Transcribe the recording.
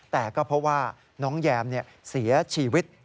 แต่ก็เพราะว่าน้องแยมเสียชีวิต